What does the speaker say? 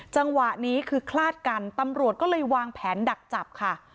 จังหวะนี้คือคลาดกันตำรวจก็เลยวางแผนดักจับค่ะ